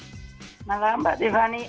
selamat malam mbak tiffany